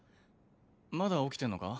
まだ起きてんのか？